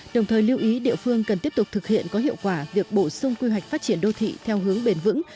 đồng thời lưu ý địa phương cần tiếp tục thực hiện có hiệu quả việc bổ sung quy hoạch phát triển đô thị theo hướng bền vững